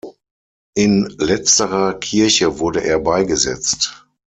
In letzterer Kirche wurde er beigesetzt.